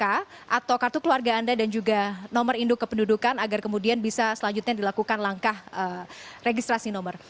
atau kartu keluarga anda dan juga nomor induk kependudukan agar kemudian bisa selanjutnya dilakukan langkah registrasi nomor